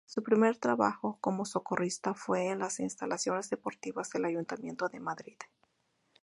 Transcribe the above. Su primer trabajo, como socorrista, fue en las instalaciones deportivas del Ayuntamiento de Madrid.